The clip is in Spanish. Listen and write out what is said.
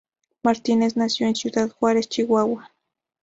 Martínez nació en Ciudad Juárez, Chihuahua.